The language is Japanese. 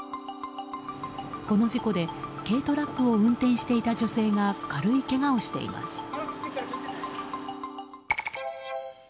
この事故で軽トラックを運転していた女性が軽いけがをしています。